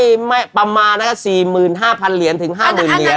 โดมปรับประมาณ๔๕๐๐๐เหรียญถึง๕๐๐๐๐เหรียญ